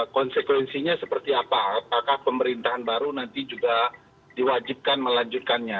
konsekuensinya seperti apa apakah pemerintahan baru nanti juga diwajibkan melanjutkannya